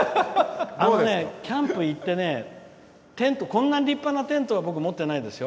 キャンプ行ってねこんな立派なテントは僕、持ってないですよ。